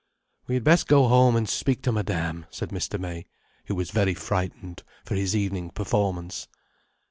"We had best go home and speak to Madame," said Mr. May, who was very frightened for his evening performance.